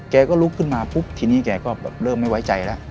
แกก็ลุกขึ้นมาปุ๊บทีนี้แกก็แบบเริ่มไม่ไว้ใจแล้ว